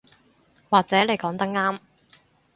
或者你講得啱